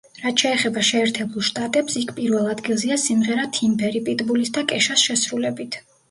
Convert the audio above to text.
რაც შეეხება შეერთებულ შტატებს, იქ პირველ ადგილზეა სიმღერა „თიმბერი“ პიტბულის და კეშას შესრულებით.